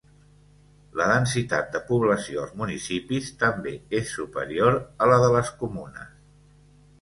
La densitat de població als municipis també és superior a la de les comunes.